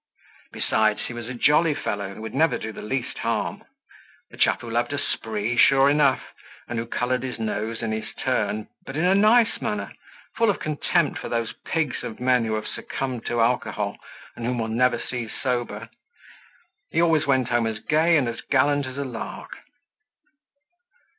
Besides he was a jolly fellow, who would never do the least harm—a chap who loved a spree sure enough, and who colored his nose in his turn but in a nice manner, full of contempt for those pigs of men who have succumbed to alcohol, and whom one never sees sober! He always went home as gay and as gallant as a lark.